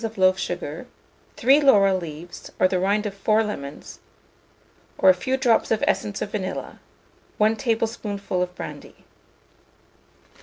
of loaf sugar, 3 laurel leaves, or the rind of 4 lemon, or a few drops of essence of vanilla, 1 tablespoonful of brandy.